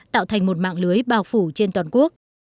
tạo thành một mạng lưới bào phủ trên toàn quốc